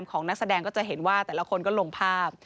นักแสดงก็จะเห็นว่าแต่ละคนก็ลงภาพ